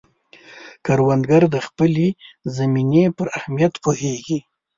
کروندګر د خپلې زمینې پر اهمیت پوهیږي